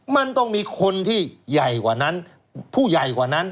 มันต้องมีคนที่ใหญ่กว่านั้นผู้ใหญ่กว่านั้น